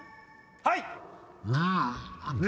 はい！